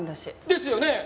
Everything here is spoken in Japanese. ですよね！？